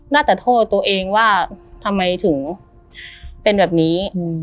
น่าจะโทษตัวเองว่าทำไมถึงเป็นแบบนี้